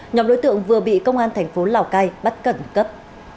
nhóm đối tượng vừa bị công an thành phố lào cai bắt khẩn cấp